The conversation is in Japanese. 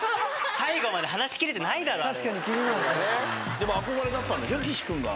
でも憧れだったんでしょ岸君が。